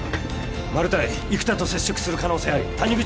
マルタイ生田と接触する可能性あり谷口